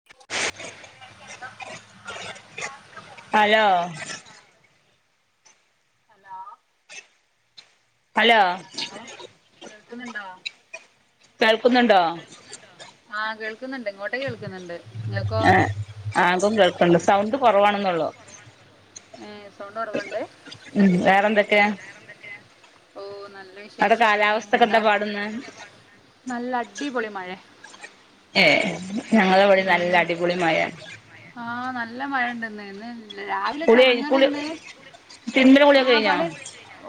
[inaudible] Hello hello hello hello കേൾക്കുന്നുണ്ടോ കേൾക്കുന്നുണ്ടോ ആഹ് കേൾക്കുന്നുണ്ട് ഇങ്ങോട്ടങ കേൾക്കുന്നുണ്ട് നിങ്ങൾക്കോ ഏഹ്ആകും കേൾക്ക്ണ്ട് സൗണ്ട് കുറവാണെന്നള്ളോ. ഏഹ് സൗണ്ട് കൊറ ഉം വേറെന്തൊക്കെയാ ഓ നല്ല അവിടെ വിശേഷാണ് കാലാവസ്ഥക്കെ എന്താ പാടന്ന് നല്ല അടിപൊളി മഴ. ഏഹ് ഞങ്ങളിവടെം നല്ല അടിപൊളി മഴയാണ്. ആഹ് നല്ല മഴ ഇണ്ടെന്ന്. രാവിലെ കുളി കഴി കുളി ചെറുങ്ങനന്നേ തിരുമ്പലും കുളിയൊക്കെ ആഹ് കഴിഞ്ഞോ പണി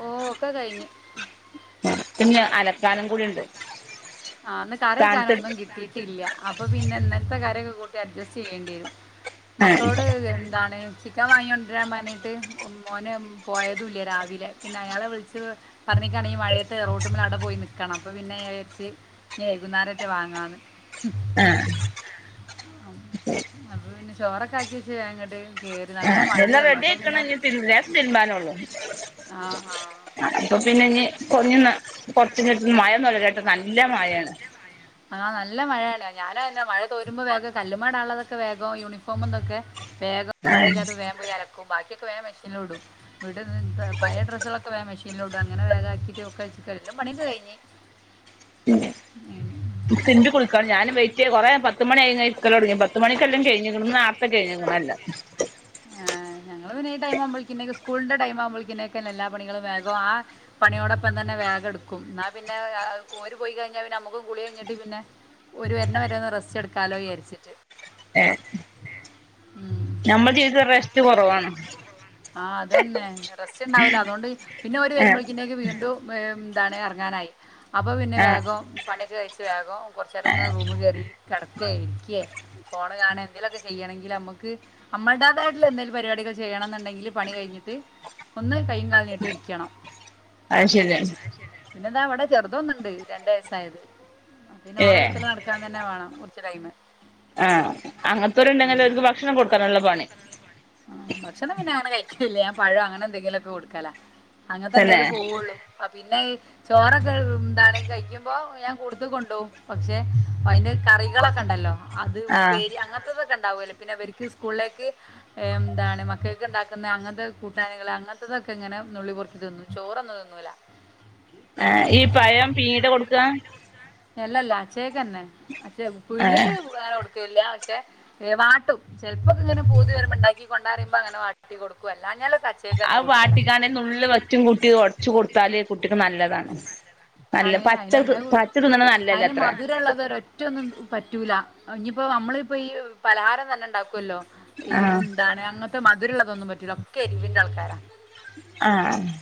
ഓ ഒക്കെ കഴിഞ്ഞ് പിന്നെ അലക്കാനും കൂടിയുണ്ട്. ആന്ന് കറിവെക്കാന് ഒന്നും കിട്ടിയിട്ടില്ല. അപ്പൊ പിന്നെ ഇന്നലത്തെ കറിയൊക്കെ കൂട്ടി അഡ്ജസ്റ്റ് ചെയ്യേണ്ടി വരും ആഹ് മക്കളോട് എന്താണ് ചി ക്കൻ വാങ്ങിക്കൊണ്ടിരാൻ പറഞ്ഞിട്ട് മോന് പോയതും ഇല്ല രാവിലെ പിന്നെ അയാളെ വിളിച്ച് പറഞ്ഞിട്ടാണെങ്കിൽ മഴയത്ത് റോട്ടുമ്മേൽ അവടെ പോയി നിക്കണം അപ്പൊ പിന്നെ ഞാൻ വിചാരി വൈകുന്നേരത്തെ വാങ്ങാന്ന്. ആഹ് അപ്പൊ പിന്നെ ചോറൊക്കെ ആക്കിവെച്ച് വേഗം ഇങ്ങട്ട് കേറി നല്ല ആഹ് എല്ലാം മഴയല്ലേ റെഡി അപ്പൊ ആയിക്കണ് പിന്നെ ഇഞ്ഞി ലേസം തിരുമ്പാനൊള്ളു. ആ ആ അപ്പൊ പിന്നെ ഇനി കൊടഞ്ഞൊന്ന് ച്ചട്ട മഴന്നല്ല കേട്ട് നല്ല മഴയാണ്. [inaudible] ആഹ് നല്ല മഴയാണ് ഞാനുംങ്ങനെ മഴ തോരുമ്പോ വേഗം കല്ലുമേയിടാനുള്ളതൊക്കെ വേഗം യൂണിഫോമും ഇതൊക്കെ വേഗം മഴയില്ലാത്പ്പൊ വേഗം പോയി അലക്കും ബാക്കിയൊക്കെ മെഷീനിലും ഇടും. വീട് പയ ഡ്രസ്സുകളൊക്കെ വേഗം മെഷീനിലോട്ട് അങ്ങനെ വേഗാക്കിട്ട് ഒക്കെല്ല പണീ കഴിഞ്ഞ് ഉം ന്റ് കുളിക്കാണ് ഞാന് വെയിറ്റ് കൊറെ പത്ത് മണി കഴിഞ്ഞ് ഇരിക്കലുടങ്ങി പത്ത് മണിക്കെല്ലാം കഴിഞ്ഞേക്കണു കഴിഞ്ഞേക്കണ് എല്ലാം ആഹ് ഞങ്ങള് പിന്നെ ഈ ടൈം ആകുമ്പോളേക്കും സ്കൂളിന്റെ ടൈംമാവുമ്പോളേക്കും എല്ലാ പണികും വേഗോ ആഹ് പണിയോടൊപ്പം തന്നെ വേഗം എടുക്കും എന്നാ പിന്നെ ഓര് പോയി കഴിഞ്ഞാ പിന്നെ നമുക്ക് കുളി കഴിഞ്ഞിട്ട് പിന്നെ ഓരു വരണ വരെ ഒന്ന് റെസ്റ്റ്‌ എടുക്കാലോ വിചരിച്ചിട്ട്. ഏഹ് ഉം നമ്മ ജീവിതത്തിൽ റെസ്റ്റ് കുറവാണ്. ആഹ് അതന്നെ റെസ്റ്റ് ഉണ്ടാവില്ല അതുകൊണ്ട് പിന്നെ ഓര് ഏ വരുമ്പോഴേക്കിന്നേക്ക് വീണ്ടും എന്താണ് ഇറങ്ങാനായി അപ്പൊ പിന്നെ ആ വേഗം പണിയൊക്കെ കഴിച്ചു വേഗം കൊറച്ച് നേരം ഒന്ന് റൂമ് കയറി കിടക്കേ ഇരിക്കെ ഫോണ് കാണുവേ എന്തെേലുമൊക്കെ ചെയ്യണെങ്കിൽ നമുക്ക് നമ്മളുടേതായിട്ടുള്ള എന്തേങ്കിലും പരിപാടികൾ ചെയ്യണംന്നുണ്ടെങ്കില് പണി കഴിഞ്ഞിട്ട് ഒന്ന് കൈയും കാലും നീട്ടിയിരിക്കണം. അയ് ശെരിയാണ് പിന്നെന്താവിടെ ചെറുതോന്നുണ്ട് രണ്ട് വയസായത്. പിന്നെ ഏ ഓളെ വെച്ചോണ്ട് നടക്കാൻ തന്നെ വേണം കുറച്ച് ടൈമ് ആഹ്അങ്ങനത്തൊരുണ്ടെങ്കിലും ഓര്ക്ക് ഭക്ഷണം കൊടുക്കാനുള്ള പണി. ആഹ് ഭക്ഷണം പിന്നെ അങ്ങനെ കഴിക്കില്ല ഞാൻ പഴം അങ്ങനെ എന്തെങ്കിലും ഒക്കെ കൊടുക്കലാ അങ്ങനത്തെ തന്നെ എന്തേലും പോവുള്ളൂ. ആ പിന്നെ അത് ചോറക് ന്താണ് കഴിക്കുമ്പോ ഞാൻ കൂട്ത്ത് കൊണ്ടോകും പക്ഷെ അതിന്റെ കറികളൊക്കെ ണ്ടല്ലോ? അത് ആ ഉപ്പേരി അങ്ങൻത്തതൊക്കെ ണ്ടാവൂല്ലോ പിന്നെ വര്ക്ക് സ്കൂളിലേക്ക് ഏ എന്താണ് മക്കക്ക്‌ ണ്ടാക്കുന്ന അങ്ങൻത്തെ കൂട്ടാന്കള് അങ്ങൻത്തതൊക്കെ ഇങ്ങനെ നുള്ളി പോർക്കി തിന്നും. ചോറൊന്നും തിന്നൂല. ഏ ഈ പഴം പീങ്ങീട്ടാ കൊടുക്ക? എല്ലല്ല അച്ചേയ്ക്കന്നെ അച്ച ആ പുഴുങ്ങിട്ട് അങ്ങന കൊടുക്ക്‌ ല്ല പക്ഷെ ഏ വാട്ടും ചെൽപ്പൊക്കെ ഇങ്ങനെ പൂതി പറിമ്പോ ണ്ടാക്കി കൊണ്ടാറിമ്പോ അങ്ങനെ വാട്ടി കൊടുക്കും അല്ലാഞ്ഞാൽ [unintelligible] അത് വാട്ടിക്കാണ്ട് ഒര് നുള്ള് വറ്റും കുട്ടി ഒട്ച്ച് കൊടുത്താല് കുട്ടിക്ക് നല്ലതാണ്. നല്ല ആണ് പച്ച ത് പച്ച ത് ന്ന്ണ് നല്ലതല്ല ത്രേ വ്ട്ള്ളത് ഒരൊറ്റ ഒറ്റൊന്നും പറ്റൂല ഞ്ഞിപ്പോ നമ്മളിപ്പോ ഈ പലഹാരം തന്നെ ണ്ടാക്കുവല്ലോ ഈ ആ എന്താണ് അങ്ങൻത്തെ മധുരള്ളതൊന്നും പറ്റൂല ഒക്കെ എരിവിന്റെ ആൾക്കാരാ ആ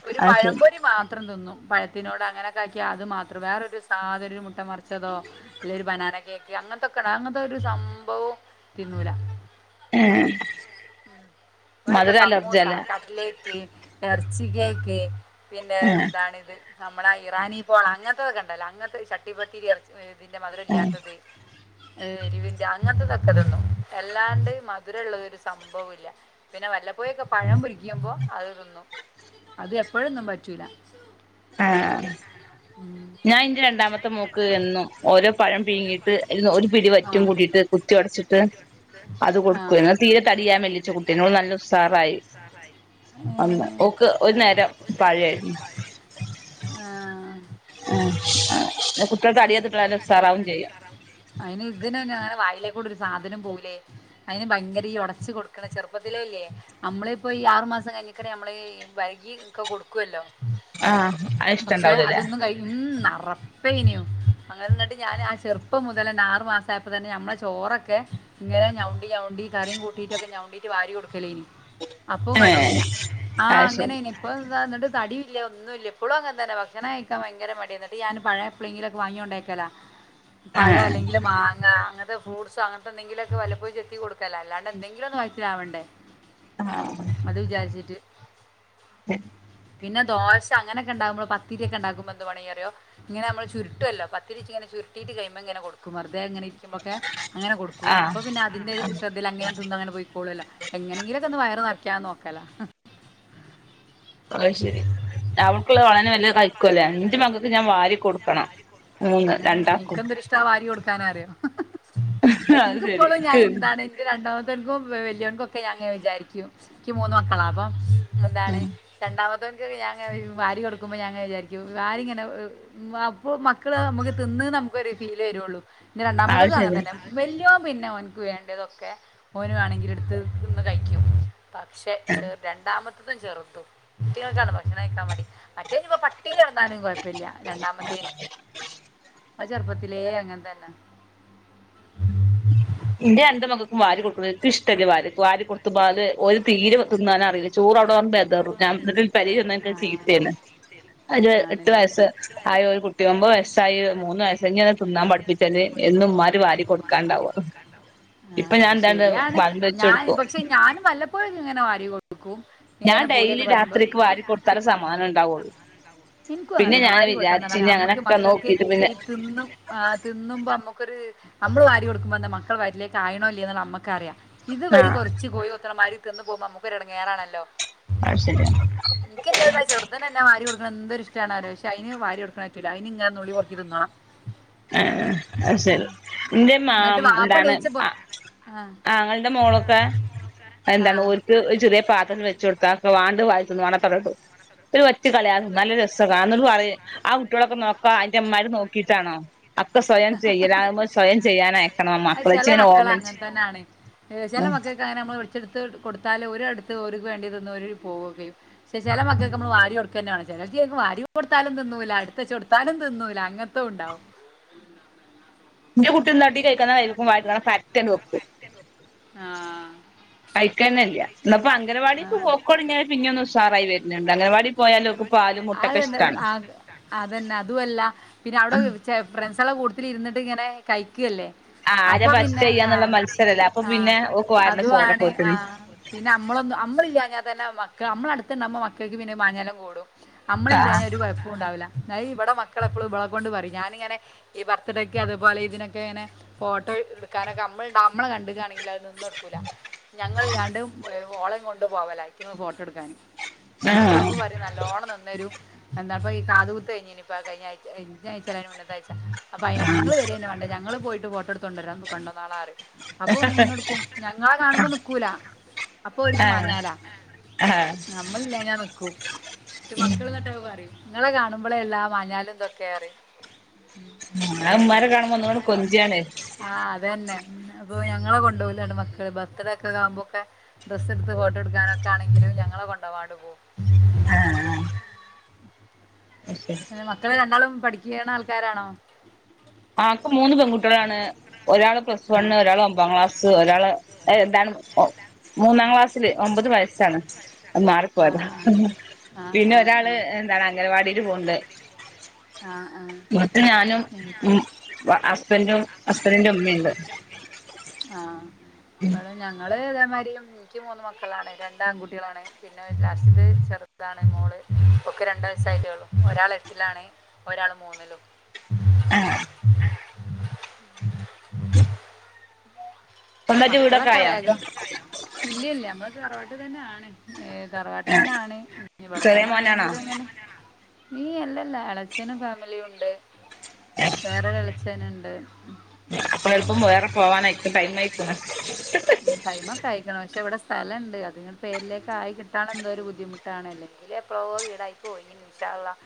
ഒരു അത് ശരി പഴംപൊരി മാത്രം തിന്നും പഴത്തിനോട് അങ്ങനെ താക്കി അത് മാത്രം വേറൊരു സാധനും ഒരു മുട്ട മർച്ചതോ അല്ലേ ഒരു ബനാന കേക്ക് അങ്ങൻത്തൊക്കെണ്ട് അങ്ങൻത്തൊര് സംഭവും തിന്നൂല ഏഹ് ഇവടൊക്കെ സമ്മുസ, അല്ലേ കടലേറ്റ്, എർച്ചി കേക്ക്, പിന്നെ ആഹ് എന്താണിത് നമ്മളെ ആ ഇറാനി പോള, അങ്ങൻത്തതൊക്കെണ്ടല്ലോ അങ്ങൻത്തെ ചട്ടിപ്പത്തിരി, എറച്ചി ഇതിന്റെ മധും ആഹ് ഇല്ലാത്തത് എരിവിന്റെ അങ്ങൻത്തതൊക്കെ തിന്നും അല്ലാത്തത് മധുരള്ളത് ഒരു സംഭവൂല്ല പിന്നെ വല്ലപ്പോയൊക്കെ പഴം പൊരിയ്ക്കുമ്പോ അത് തിന്നും അത് എപ്പഴൊന്നും പറ്റൂല ഏഹ് ഞാൻ ഇന്റെ രണ്ടാമത്തെ മോക്ക് എന്നും ഓരോ പഴം പീങ്ങിയിട്ട് അയ്ൽന്ന് ഒരു പിടി ആ. വറ്റും കൂട്ടീട്ട് കുത്തി ഒട്ച്ച്ട്ട് അത് ആ കൊട്ക്കും എന്നും തീരെ തടിയ്യാതെ മെല്ലിച്ച കുട്ട് കുട്ട്യേയ്നു ഓള് നല്ല ഉസാറായി അന്ന് ഏ, ഓക്ക് ഒരു നേരം പഴേര്ന്ന് ആഹ് ആ ന്ന കുട്ട്യോള് തടിയൊക്കെ കിട്ടി നല്ല ഉസാറാവും ചെയ്യും അയ്ന് ഇതിനയ്ന് അങ്ങനെ വായലേക്കൂടെ ഒരു സാധനും പോകൂലേയ് അതിന് ഭയങ്കര ഈ ഒടച്ചു കൊടുക്കണ ചെറുപ്പത് ത്തിലേ ഇല്ല്യേ അമ്മളിപ്പോ ഈ ആറു മാസം കഴിഞ്ഞയ്ക്ക്‌ന് നമ്മള് ഈ വെര്കി ഒക്കെ കൊടുക്കുവല്ലോ ആഹ് ആ അത് പക്ഷെ ഇഷ്ടണ്ടാവൂലല്ലേ അതൊന്നും കഴി ഉം ഉം അറപ്പേയ്നു അങ്ങനെന്ന്ട്ട് ഞാന് ആ ചെറുപ്പം മുതലെന്നെ ആറു മാസം ആയ്പ്പ തന്നെ ഞമ്മളെ ചോറൊക്കെ ഇങ്ങന ഞവ്ണ്ടി ഞവ്ണ്ടി കറിം കൂട്ടീറ്റൊക്കെ ഞവ്ണ്ടി റ്റ് വാരി കൊട്ക്കലേയ്ന് അപ്പ ഏഹ് കൊഴ്പ്പല്ല്യ ആ അത് ശരി അങ്ങനെയ്ന് ഇപ്പളും താ ന്നിട്ട് തടിംയില്ല ഒന്നും ഇല്ല്യ ഇപ്പ്ളും അങ്ങൻതന്നെ ഭക്ഷണം കഴിക്കാൻ ഭയങ്കര മടിയ ന്നിട്ട് ഞാൻ പഴയ എപ്പ്ളേങ്കിലൊക്കെ വാങ്ങി കൊണ്ടേയക്കല പഴോ ആഹ് അല്ലെങ്കിൽ മാങ്ങേ ആ അങ്ങൻത്തെ ഫ്രൂട്സോ അങ്ങൻത്തെ ന്തെങ്കിലൊക്കെ വല്ലപ്പോയും ചെത്തി കൊടുക്കലാ അല്ലാണ്ടെ എന്തെങ്കിലും ഒന്ന് വയറ്റ് റ്റ്ലാവണ്ടേ അത് വിചാര്ച്ച്ട്ട് ഉം പിന്നെ ദോശ അങ്ങനൊക്കെണ്ടാവുമ്പോ പത്തിരിയൊക്കെ ണ്ടാക്കുമ്പോ എന്ത്‌ പണിയ്യ റ്യോ ഇങ്ങനെ നമ്മള് ചരുട്ടുവല്ലോ പത്തിരിച്ച് ഇങ്ങനെ ചരുട്ടീട്ട് കയ്മങ്ങനെ കൊട്ക്കും വെുതെ അങ്ങനെ ഇരിക്ക്യമ്പൊക്കേ അങ്ങനെ കൊടുക്കും ആഹ് അപ്പ പിന്നെ അതിന്റെ ശ്രദ്ധയിൽ അങ്ങനെ തിന്നങ്ങനെ പൊയ് ക്കോളൊല്ല എങ്ങനെങ്കിലൊക്കെ ഒന്ന് വയറ് നർക്ക്യാന്ന് നോക്കല അത് ശരി അവൾക്കുള്ളത് ഓളന്നെ വെല്ലേ കഴ് അവളെന്നെ എല്ലാം കഴിക്കുവല്ലേ ന്റെ മക്കക്ക് ഞാൻ വരിക്കൊടുക്കണം. മൂന്ന് ആണ് എനിയ്ക്ക്‌ രണ്ടാക്കും എന്തൊരിഷ്ടാ വാരി കൊടുക്കാനറ്യോ. അത് ഇൻക്ക് ശരി പ്പളും ഞാ ക്ക് എന്താണ് ന്റെ രണ്ടാമത്തെ ൻക്കും വ വല്ല്യേൻക്കും ഒക്കെ ഞാൻ ഇങ്ങനെ വിചാരിക്കും ഇക്ക് മൂന്ന് മക്കളാ അപ്പം എന്താണ് രണ്ടാമത്തെ ൻക്ക് ക്കെ ഞാൻ ഇങ്ങനെവാരി കൊടുക്കുമ്പോ ഞാ ഇങ്ങനെ വിചാരി കും വാരിങ്ങനെ അപ്പോ മക്കൾ നമ്മക്ക് തിന്ന് നമുക്കൊരു ഫീല് വരുള്ളൂ ഇന്റെ അത് രണ്ടാമത്തതും ശരിയാ അങ്ങൻതന്നെ വല്ല്യേൻ പിന്നെ ഓനക്ക് വേണ്ടതൊക്കെ ഓന് വേണങ്കിൽ ടുത്ത് തിന്ന് കഴിക്കും പക്ഷെ ചെർ രണ്ടാമത്തതും ചെറുതും ഇറ്റിങ്ങൾക്കാണ് ഭക്ഷണം കഴിക്കാൻ മടി മറ്റേ നിപ്പോ പ ട്ടിനിട്ന്നാലും കൊഴപ്പില്ല രണ്ടാമത്തേന് ഓൻ ചെറുപ്പത്തിലേ അങ്ങൻ തന്നെ ഇന്റെ രണ്ട് മകൾക്കും വാരി കൊടുക്ക് ണേ ഇൻക്ക് ഇഷ്ടല്ല വാരി വാരി കൊടുത്തു മ്പോല് ഓല് തീരെ തിന്നാന് അറീല ചോറ് അവിടെങ്ങാനും ബെതറും ഞാൻ ങ്ങട്ട് പെരീ ചെന്നാ ഇൻക്ക് ചീത്തേണ് ഒര്എട്ട് ആണല്ലേ വയസ്സ്ആയ ഒരു കുട്ടി ഒമ്പ വയസ്സ് ആയ മൂന്ന് വയസ്സ് ഇഞ്ഞ് ന്നാതിന്നാൻ പഠിപ്പി ച്ചല് എന്നും മ്മാര് വാരി കൊട്ക്കാണ്ടാവോ ആ ഇപ്പൊ ഞാൻ അത് ന്താണ്ട് വള്മ്പി വെച്ചൊട്ക്കും പ്പഴും ഇങ്ങനെ വരി കൊടുക്കും ഞാൻ ഇങ്ങനെ ഡെയിലി പൂതിയൊക്കെ വരുമ്പോ രാത്രിക്ക് വാരി കൊടുത്താല സമാധാനം ഉണ്ടാവുള്ളൂ ഇൻക്കും അങ്ങൻ പിന്നെ തന്നെ ഞാൻ വാരി വിചാരിച്ച് കൊടുക്കാന്നറ്ഞ്ഞാ ഇനി നമ്മക്ക് അങ്ങനൊക്കെ മക്കൾക്ക് നോക്കിട്ട് പിന്നെ ഈ തിന്നും ആ തിന്നുമ്പോ നമ്മുക്കൊരു നമ്മള് വാരി കൊടുക്കുമ്പ ന്താ മക്കളെ വയറ്റിലേക്ക് ആയിണോ ല്ലേ ന്ന് ള്ളെ നമ്മക്കറിയ ഇത് വര് ആഹ് കൊറ്ച്ച് കോഴി കൊത്ത്ണ മാരി തിന്ന് പോകുമ്പോ നമ്മക്ക് ഒര് എട ങ്ങേറാണല്ലോ അഹ് ശരിയ ക്ക് എന്താന്നാൽ ചെറ്ത് നന്നാ വാരി കൊടുക്കണന്തൊരുഇഷ്ടണാലോ പക്ഷേ അയിന് വരി കൊടുക്ക്ണെ പറ്റുല്ല അയിന് ഇങ്ങനെ നുള്ളി പൊറ്ക്കി തിന്നാ ആഹ് അഹ് ശരി എന്റെ മാ എന്നിട്ട് വാപ്പ എന്താണ് എണീച്ചപ്പോ ആ ആങ്ങള്ടെ മോളൊക്കെ എന്താണ് ആഹ് ഓ ക്ക് ഒര് ചെറിയ പാത്രം വെച്ച് കൊടുത്താ ഓക്ക് വാണ്ടെ വാരി തിന്ന് വാണ്ടാത്ത ഔടെ ഇട്ട് പോവും ഒരു വറ്റ് കളയാതെ തിന്ന നല്ല രസാ കാണാ ഇന്നട്ട് പറയ് ആ കുട്ടികളൊക്കെ നോക്കാ അയിന്റെമ്മാര് നോക്കിയിട്ടാണോ അഹ് ഒക്കെ സ്വയം ചെയ്യലാ നമ്മ്സ്വയം ചെയ്യാനയക്കണം നമ്മ മക്കളെച്ച് ഇങ്ങനെ ഓമൻച്ച് ചെല മക്കക്ക് അങ്ങനെ നമ്മള് വെച്ചെടുത്ത് കൊടുത്താല് ഓര് ട്ത്ത് ഓര്ക്ക് വേണ്ടിയത് തിന്ന് ഓര് പോവൊ ക്കെയും പക്ഷേ ചെല മക്കൾക്ക് നമ്മൾ വാരി കൊടുക്കന്നെ മാണ്ണം ചെലോൽക്ക് ചെൽപ്പം വരി കൊടുത്താലും തിന്നൂല ഇട്ത്ത് വച്ച് കൊടുത്താലും തിന്നൂല അങ്ങൻ ത്തൊ ഉണ്ടാവും ന്റെകുട്ടി ന്താട്ടി ക [unintelligible] പരത്തിയാണ്ട് വെക്കും ആഹ് കഴിക്കന്നെല്ല ഇന്ന് പ്പം അംഗനവാടിക്ക് പോക്കോടങ്ങിയാരെ പിന്നെ ഒന്ന് ഉാറായി വര്ന്ന്ണ്ട് അംഗ ലവാടി പോയാല് ഓക്ക് പാലും മുട്ട അത് ക്കെ തന്നെ ഇഷ്ടാണ് ആ, അതന്നെ അതുഅല്ല പിന്നെ അവിടെ ഫ്രണ്ട്സൊളെകൂട്ടത്തില് ഇരുന്നിട്ട് ഇങ്ങനെ കഴിക്കല്ലേ ആരെ അപ്പൊ ഫസ്റ്റ് പിന്നെ ചെയ്യാന്നുള്ള മത്സരല്ലേ അപ്പൊ ആഹ്ആഹ് പിന്നെ ഓക്ക് വാരണ അതു ആണ് ചോറൊക്കൊത്തിന് ആഹ് പിന്നെ നമ്മളൊന്നും നമ്മളില്ലാന്നാ തന്നെ മക്ക് നമ്മള അടുത്ത് ണ്ടാ വ് പ്പോ മക്കൾക്ക് പിന്നെ മാഞ്ഞാളം കൂടും നമ്മളില്ലാ ആഹ് ഞാ ഒരു കുഴപ്പവും ഉണ്ടാവൂല്ല ന്ന ഹ് ഇവിടെ മക്കള് എപ്പളും ഇവള കൊണ്ട് പറയ് ഞാനിങ്ങനെ ഈ ബർത്ത്ഡേക്കെ അതുപോലെ ഇതിനൊക്കെങ്ങനെ ഫോട്ടോ എടുക്കാനൊക്കെ നമ്മൾ ണ്ടാ നമ്മളെ കണ്ട് കാണ ങ്കി ല്ലഹ് നിന്ന് ടുക്കൂല ഞങ്ങള് ഇല്ലാണ്ട് ഓളെ കൊണ്ട് പോവലാ അയിറ്റങ്ങൾ ഫോട്ടം ട്ക്കാന് ആഹ് അപ്പൊ പറയ് നല്ലോണ്ണം നിന്നരും എന്താ ഇപ്പ ഈ കാത് കുത്ത് കഴിഞ്ഞി നി ഇപ്പ കഴിഞ്ഞാഴിച്ച കയിഞ്ഞായിച്ചല്ല അയിന്റെ മുന്ന ത്തായിച്ച അപ്പയ്ന് ഇങ്ങൾ ആഹ് വരന്നെ വാണ്ട ഞങ്ങള് പോയിട്ട് ഫോട്ടടുത്ത് കൊണ്ട ര കൊണ്ടന്നോളാ റിം അപ്പം നിന്നെടുക്കും ഞങ്ങളെ കാണുമ്പം നിക്കൂല അപ്പൊ ഓൽക്ക് ആഹ് മാഞ്ഞാളാ ആഹ് നമ്മളില്ലാഞ്ഞാ നിക്കു ൻ്റെ മക്കൾ ന്ന്ട്ട് പറയും നിങ്ങളെ കാണുമ്പോള എല്ലാ മഞ്ഞാലും തെക്കെ അറിയും അഹ് ഉമ്മാരെ കാണുമ്പോ ന്ഒന്നൂടെ കൊഞ്ചാണ് ആഹ് അതന്നെ അപ്പൊ ഞങ്ങളെ കൊണ്ടപോകുല മക്കള് ബർത്ത്ഡേ ഒക്കെ ആകുമ്പോ ഒകെ ഡ്രസ്സ് എടുത്ത് ഫോട്ടോ എടുക്കാനൊക്കെ ആണെങ്കിലും ഞങ്ങളെ കൊണ്ടാകാതേ പോകും ആഹ് [unintelligible] ഏ മക്കൾ രണ്ടാളും പഠിക്കണ ആൾക്കാരാണോ ആക്ക് മൂന്ന് പെൺകുട്ടികളാണ് ഒരാള് പ്ലസ് വൺ ഒരാള് ഒമ്പാം ക്ലാസ് ഒരാള് എന്താണ് മൂന്നാം ക്ലാസ്സില് ഒമ്പത് വയസ്സാണ് അത് മാറി ആ പോയതാ ആ ആ പിന്നെ ഒരാള് ആ എന്താണ് അംഗനവാടിൽ പോവുന്നുണ്ട് ആഹ് ആഹ് ഉം ഹസ്ബൻ്റ് ഉം ഹസ്ബൻ്റ് ൻ്റെ ഉമ്മയുണ്ട് ആഹ് ഞങ്ങള് ഇതേമാരി എനിക്ക് മൂന്ന് മക്കളാണ് രണ്ട് ആൺകുട്ടികളാണ് പിന്നെ ലാസ്റ്റിൽ ചെറുതാണ് മോൾ ഓക്ക് രണ്ട് വയസ്സ് ആയിട്ടേ ഉള്ളു ഒരാൾ എട്ടിലാണ് ഒരാൾ മൂന്നിലും ആഹ് സ്വന്തായിട്ട് വീടൊക്കെ മക്കളൊക്കെ ആയോ വേഗം ഇല്ലല്ല ഞമ്മള് തറവാട്ട് തന്നെ ആണ് ഏ ആഹ് തറവാട്ടിൽന്നെ ആണ് ഇവിടെ ചെറിയ തന്നെ മോനാണോ എങ്ങനെങ്കിലും അങ്ങനെ ഈ അല്ലല്ല എളച്ചനും ഫാമിലിയും ഉണ്ട് വേറെ ഒരു എളച്ച ഛനുണ്ട് അപ്പ എളുപ്പം വേറെ പോവാനായിരിക്കും ടൈം ആയിക്ണ് ടൈമൊക്കെ ആയിക്ക്ന് പക്ഷെ ഇവിടെ സ്ഥലുണ്ട് അതി പേരിലേക്ക ആയി കിട്ടാ എന്തോ ഒരു ബുദ്ധിമുട്ട് കിട്ടിക്കാണെങ്കിൽ അല്ലെങ്കിൽ എപ്പോയേ വീടായി പോയിനീ ഇന്ഷാ അല്ലാഹ്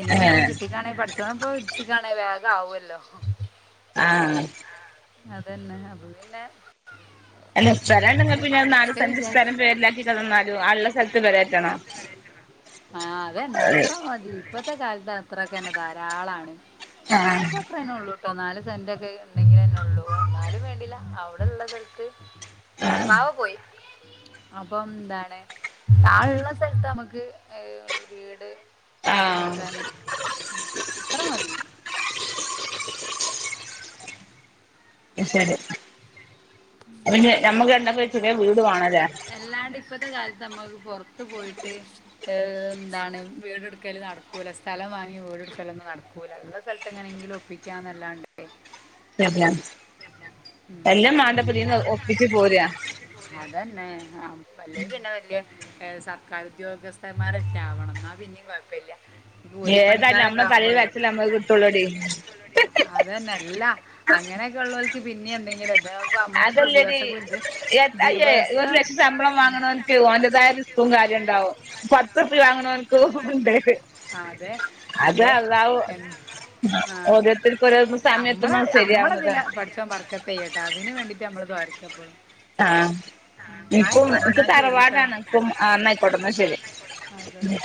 ഇനിയും ഇപ്പം കിട്ടിക്കാനേൽ പടച്ചോൻ വിധിച്ച് കാണേൽ ഇപ്പൊ വേഗം ആവൂല്ലോ ആഹ് ആഹ് അതന്നെ അപ്പ പിന്നെ അല്ല സ്ഥലം ഉണ്ടെങ്ക പിന്നെ നാല് അങ്ങനെയൊക്കെ സെൻ്റ് വിചാരിച്ച് സ്ഥലം പേരിലാക്കി തന്നാലും ആ ഉള്ള സ്ഥലത്ത് പെര കേറ്റണം ആഹ് അതന്നെ അത്ര മതി ഇപ്പത്തെ കാലത്ത് അത്രൊക്കെ തന്നെ ധാരാളാണ് ആഹ് ഞങ്ങൾക്ക ഉള്ളൂ കേട്ടോ നാല് സെൻ്റ് ഒക്കെ ഉണ്ടെങ്കിൽ ന്നെ ഉള്ളൂ ന്നാലും വേണ്ടില അവിടെള്ള സ്ഥലത്ത് ആഹ് വാവ പോയി അപ്പം എന്താണ് ആ ളള്ള സ്ഥലത്ത് നമക്ക് വീട് ആക്കൻ ആഹ് അത്ര മതി ശരി പിന്നെ നമ്മുക്ക് രണ്ടാക്കും ഒരു ചെറിയ വീട് വേണല്ലേ അല്ലാണ്ട് ഇപ്പത്തെ കാലത്ത് നമ്മുക്ക് പൊറത്ത് പോയിട്ട് ഏ എന്താണ് വീടെടുക്കല് നടക്കൂല സ്ഥലം വാങ്ങി വീട് എടുക്കലൊന്നും നടക്കൂല ഉള്ള സ്ഥലത്ത് എങ്ങനെയെങ്കിലും ഒപ്പിക്കാ ന്ന് അല്ലാണ്ട് ശരിയാ ഉം. എല്ലാം മണ്ടപ്പതിന്ന് എന്താണ് ഒപ്പിച്ച് പോരാ അതന്നെ ആ അല്ല പിന്നെ വല്യയ സർക്കാർ ഉദ്യോഗസ്ഥന്മാർല്ലാവണം എന്നാ പിന്നീം കുഴപ്പമില്ല ഈ ഏതായാലും കൂലിപ്പണിക്കാരൊക്കെ നമ്മളെ തലയിൽ വരച്ച തല്ലേ നമ്മക്ക് കിട്ടുള്ളോടി അത് തന്നെ അല്ല അങ്ങനെയൊക്കെ ഉള്ളവർക്ക് പിന്നെ എന്തെങ്കിലും ഒകെ അതല്ലടി അയ്യേ ഒരു ദിവസം ലക്ഷം ശമ്പളം വാങ്ങുന്നോന്ക് ഓൻ്റെ തായ റിസ്ക്കും കാര്യം ഉണ്ടാവും പത്ത്റുപ്പിയ വാങ്ങുന്നോന്ക്കും ഉണ്ട് അതെ അത് അതെ അള്ളാഹു എം ആഹ് ഓരോരുത്തർക്കും ഓരോരോ അമ്മള സമയത്തുമ്പോ അമ്മളതില ശരിയാവുന്നതാണ്. പട് ചോൻ ബർക്കത്തെയ്യട്ടെ, അതിന് വേണ്ടീട്ട് നമ്മള് ദോര്ക്കപ്പോഴും ആഹ് ഇൻക്കും ഇൻക്ക് എന്നാ ശരി കേട്ടോ തറവാടാണ്, അപ്പം ആഹ് ന്നയ്ക്കോട്ടെ, ന്നാ ശരി ആയിക്കോട്ടെ